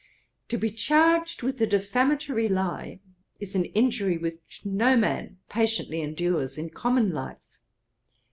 To be charged with a defamatory lie is an injury which no man patiently endures in common life.